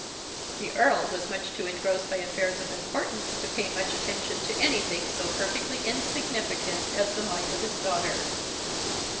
The Earl was too much engrossed by affairs of importance to pay much attention to anything so perfectly insignificant as the mind of his daughter.